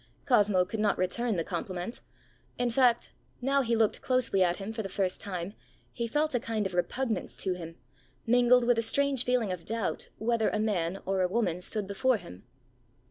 Cosmo could not return the compliment. In fact, now he looked closely at him for the first time, he felt a kind of repugnance to him, mingled with a strange feeling of doubt whether a man or a woman stood before him.